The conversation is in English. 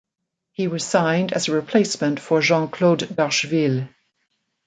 He was signed as a replacement for Jean-Claude Darcheville.